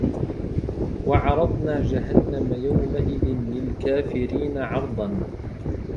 وعرضنا جهنم يومئذ للكافرين عرضا